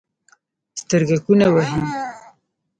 سترګکونه وهي